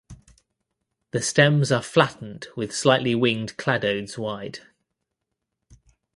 The stems are flattened with slightly winged cladodes wide.